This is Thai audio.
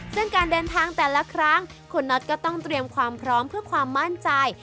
ซึ่งการเดินทางแต่ละครั้งคุณน็อตก็ต้องเตรียมความพร้อมเพื่อความมั่นใจ